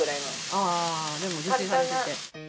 あぁでも自炊されてて。